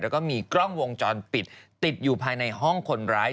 แล้วก็มีกล้องวงจรปิดติดอยู่ภายในห้องคนร้าย